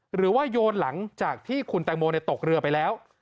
หรือว่าโยนหลังจากที่คุณแต่งโมเนตตกเรือไปแล้ว